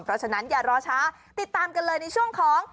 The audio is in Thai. เพราะฉะนั้นอย่ารอช้าติดตามกันเลยในช่วงของ